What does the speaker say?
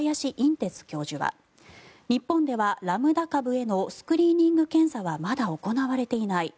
てつ教授は日本ではラムダ株へのスクリーニング検査はまだ行われていない。